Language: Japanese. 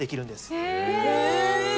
へえ！